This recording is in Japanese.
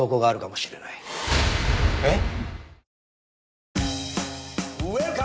えっ？